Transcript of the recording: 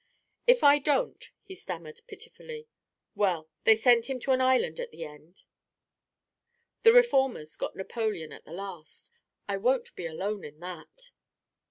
"If I don't," he stammered pitifully, "well, they sent him to an island at the end. The reformers got Napoleon at the last. I won't be alone in that."